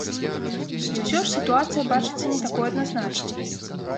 І ўсё ж, сітуацыя бачыцца не такой адназначнай.